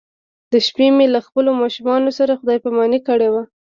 د شپې مې له خپلو ماشومانو سره خدای پاماني کړې وه.